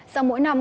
sau mỗi năm